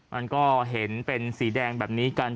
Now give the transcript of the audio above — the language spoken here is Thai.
มันก็เห็นเป็นสีแดงแบบนี้กัน